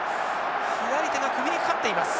左手が首にかかっています。